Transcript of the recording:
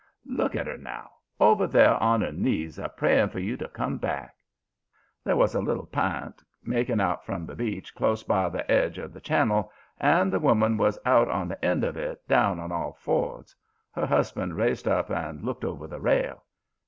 Look at 'er now, over there on 'er knees a praying for you to come back.' "There was a little p'int making out from the beach close by the edge of the channel and the woman was out on the end of it, down on all fours. Her husband raised up and looked over the rail.